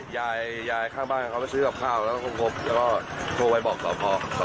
ยายข้างบ้านเขาไปซื้อกับข้าวแล้วก็โทรบแล้วก็โทรไว้บอกขอโทษ